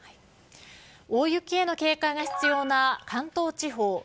大雪への警戒が必要な関東地方。